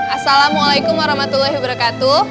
assalamualaikum warahmatullahi wabarakatuh